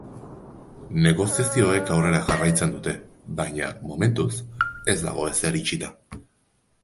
Negoziazioek aurrera jarraitzen dute, baina, momentuz, ez dago ezer itxita.